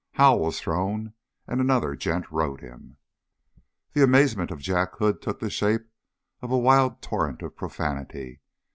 Hal was thrown and another gent rode him." The amazement of Jack Hood took the shape of a wild torrent of profanity.